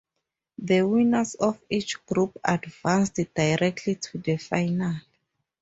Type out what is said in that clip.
The winners of each group advanced directly to the final.